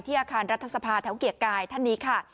อาคารรัฐสภาแถวเกียรติกายท่านนี้ค่ะ